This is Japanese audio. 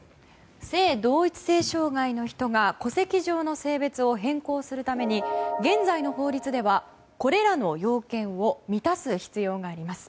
性同一性障害の人が戸籍上の性別を変更するために現在の法律ではこれらの要件を満たす必要があります。